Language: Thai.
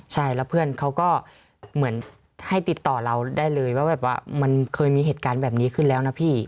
ใช่แล้วเพื่อนเขาก็เหมือนให้ติดต่อเราได้เลยว่าแบบว่ามันเคยมีเหตุการณ์แบบนี้ขึ้นแล้วนะพี่